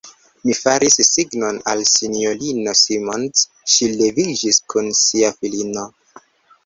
Mi faris signon al S-ino Simons: ŝi leviĝis kun sia filino.